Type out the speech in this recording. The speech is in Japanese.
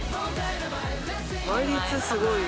倍率すごい。